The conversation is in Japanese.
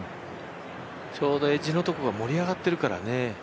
ちょうどエッジのところが盛り上がってるからね。